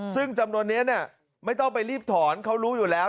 ซึ่งจำนวนนี้ไม่ต้องไปรีบถอนเขารู้อยู่แล้ว